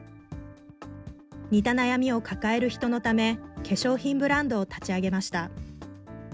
似た悩みを抱える人のため、化粧品ブランドを立ち上げました。